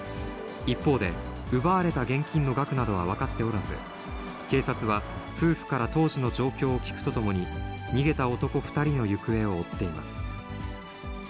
一方で、奪われた現金の額などは分かっておらず、警察は、夫婦から当時の状況を聞くとともに、逃げた男２人の行方を追っています。